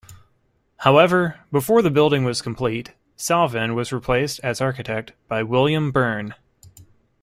However, before the building was complete, Salvin was replaced as architect by William Burn.